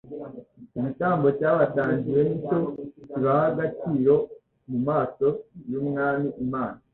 Igitambo cyabatangiwe ni cyo kibaha agaciro mu maso y'Umwami Imana.